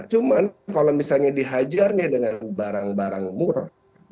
cuman kalau misalnya dihajarnya dengan barang barang murah